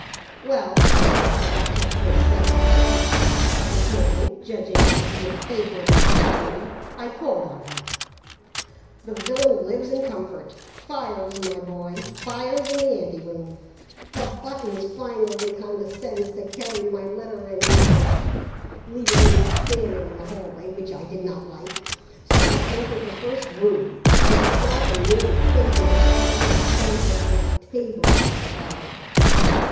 Well, of course I forgot to present the letter, but this morning, judging it to be a favourable opportunity, I called on him. "The villain lives in comfort; fires, my boy! fires in the ante rooms! The Buttons finally condescends to carry my letter and card up, leaving me standing in the hallway, which I did not like, so I entered the first room I saw and nearly fainted at the sight of a banquet on a table by the fire.